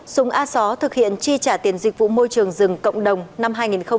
súng a xó thực hiện chi trả tiền dịch vụ môi trường rừng cộng đồng năm hai nghìn hai mươi một